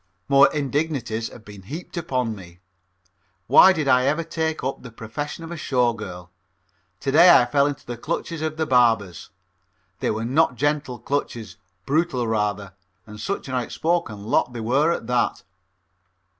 More indignities have been heaped upon me. Why did I ever take up the profession of a show girl? To day I fell into the clutches of the barbers. They were not gentle clutches, brutal rather; and such an outspoken lot they were at that.